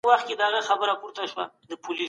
د نورو مال په ناحقه مه خورئ.